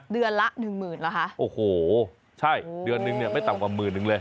เดือนละหนึ่งหมื่นเหรอคะโอ้โหใช่เดือนนึงเนี่ยไม่ต่ำกว่าหมื่นนึงเลย